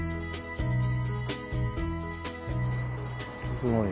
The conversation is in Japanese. すごい。